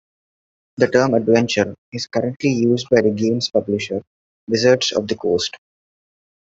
The term "adventure" is currently used by the game's publisher Wizards of the Coast.